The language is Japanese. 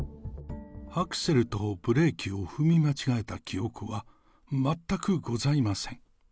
アクセルとブレーキを踏み間違えた記憶は全くございません。